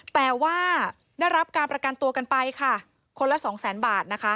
แต่ว่านักรับการประกันตัวกันไปคนละ๒๐๐๐๐๐บาท